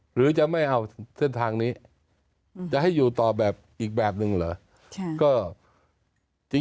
หรือจะไม่เอาเส้นทางนี้จะให้อยู่ต่อแบบอีกแบบหนึ่งเหรอ